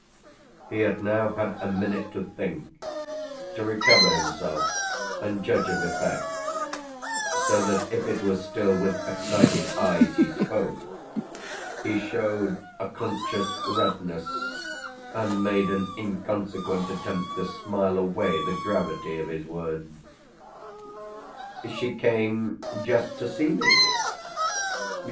He had now had a minute to think to recover himself and judge of effects, so that if it was still with excited eyes he spoke he showed a conscious redness and made an inconsequent attempt to smile away the gravity of his words. "She came just to see me.